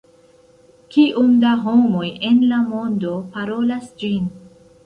Kiom da homoj en la mondo parolas ĝin?